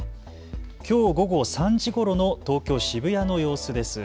きょう午後３時ごろの東京渋谷の様子です。